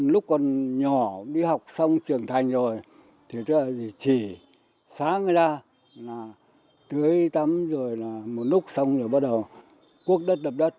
lúc còn nhỏ đi học xong trưởng thành rồi thì chỉ sáng ra tươi tắm rồi là một lúc xong rồi bắt đầu cuốc đất đập đất